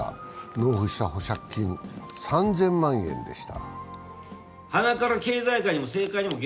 納付した保釈金、３０００万円でした。